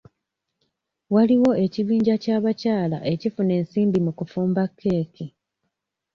Waliwo ekibiinja ky'abakyala ekifuna ensimbi mu kufumba keeki.